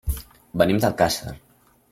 Venim d'Alcàsser.